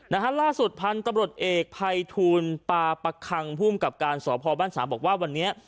นะฮะล่าสุดพันธุ์ตำรวจเอกภัยทูลปาปะคังภูมิกับการสพบ้านสามบอกว่าวันนี้